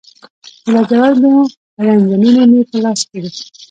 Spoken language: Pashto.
د لاجوردو رنجه نوني مې په لاس کې